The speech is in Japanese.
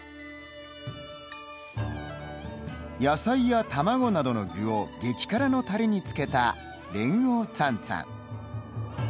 野菜や卵などの具を激辛のたれに漬けた冷鍋串串。